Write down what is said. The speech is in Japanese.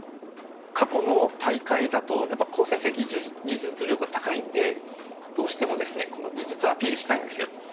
過去の大会だとやっぱ高専生技術力が高いんでどうしてもですね技術アピールしたいんですよ。